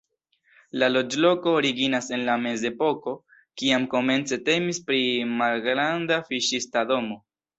La loĝloko originas en la mezepoko, kiam komence temis pri malgranda fiŝista domo.